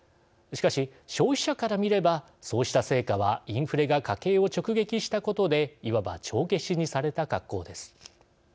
しかし、消費者から見ればそうした成果はインフレが家計を直撃したことでいわば帳消しにされた格好です。